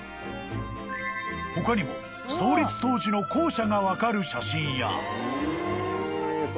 ［他にも創立当時の校舎が分かる写真や］